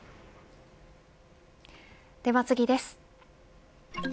では次です。